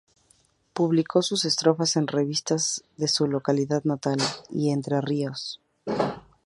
Publicó sus estrofas en revistas de su localidad natal y de Entre Ríos.